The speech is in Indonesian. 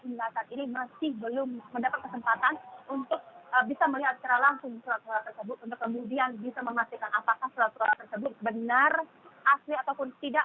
saya melihat ini masih belum mendapat kesempatan untuk bisa melihat secara langsung selaturan tersebut untuk kemudian bisa mengastikan apakah selaturan tersebut benar asli ataupun tidak